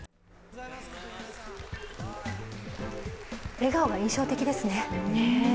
笑顔が印象的ですね。